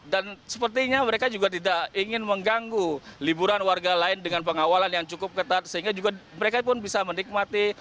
dan sepertinya mereka juga tidak ingin mengganggu liburan warga lain dengan pengawalan yang cukup ketat sehingga juga mereka pun bisa menikmati